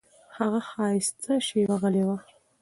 هغه ښایسته شېبه غلی و.